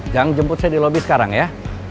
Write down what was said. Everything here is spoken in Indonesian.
jangan jemput saya di lobby sekarang ya